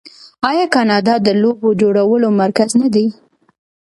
آیا کاناډا د لوبو جوړولو مرکز نه دی؟